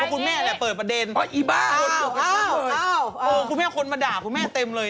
พอคุณแม่แหละเปิดประเด็นเอาคุณแม่คนมาด่าคุณแม่เต็มเลยนะ